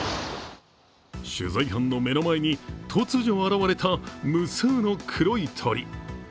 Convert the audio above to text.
取材班の目の前に突如現れた無数の黒い鳥。